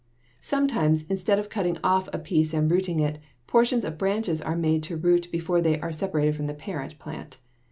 Sometimes, instead of cutting off a piece and rooting it, portions of branches are made to root before they are separated from the parent plant.